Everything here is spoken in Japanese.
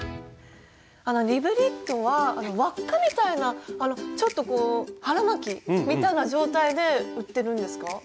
あのリブニットは輪っかみたいなちょっとこう腹巻き？みたいな状態で売ってるんですか？